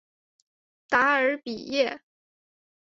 达尔比耶。